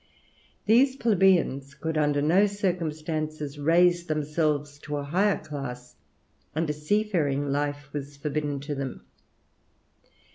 These plebeians could under no circumstances raise themselves to a higher class; and a seafaring life was forbidden to them.